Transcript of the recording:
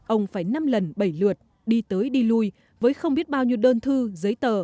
ông phải năm lần bảy lượt đi tới đi lui với không biết bao nhiêu đơn thư giấy tờ